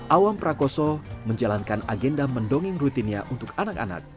awam prakoso menjalankan agenda mendongeng rutinnya untuk anak anak